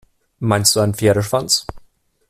Meinst du einen Pferdeschwanz?